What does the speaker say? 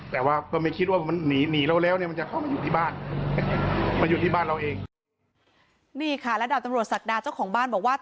แต่ว่าก็ไม่คิดว่ามันหนีแล้วมันจะเข้ามาอยู่ที่บ้าน